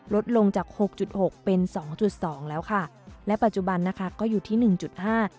ลดลงจากหกจุดหกเป็นสองจุดสองแล้วค่ะและปัจจุบันนะคะก็อยู่ที่หนึ่งจุดห้า